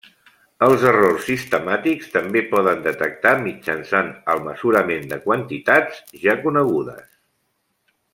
Els errors sistemàtics també poden detectar mitjançant el mesurament de quantitats ja conegudes.